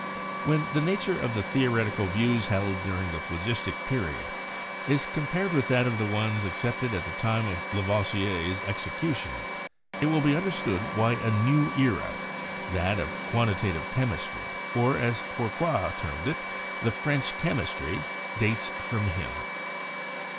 When the nature of the theoretical views held during the Phlogistic Period is compared with that of the ones accepted at the time of Lavoisier's execution, it will be understood why a new era — that of quantitative chemistry, or, as Fourcroy termed it, the "French Chemistry" — dates from him.